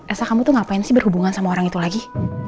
esa kamu tuh ngapain sih berhubungan sama orang itu lagi